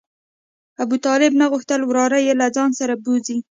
ابوطالب نه غوښتل وراره یې له ځان سره بوځي.